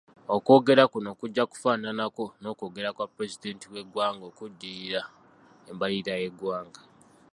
Okwogera kuno kujja kufaafananako n'okwogera kwa Pulezidenti w'eggwanga okuddirira embalirira y'eggwanga.